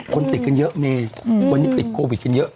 คนติดกันเยอะเมวันนี้ติดโควิดกันเยอะ